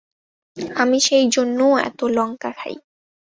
আমিও সেইজন্য এত লঙ্কা খাই।